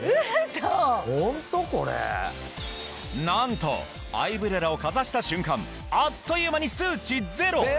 なんとアイブレラをかざした瞬間あっという間に数値ゼロ！